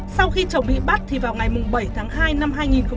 sau khi chồng bị bắt thì vào ngày bảy tháng hai năm hai nghìn hai mươi